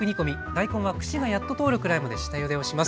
大根は串がやっと通るくらいまで下ゆでをします。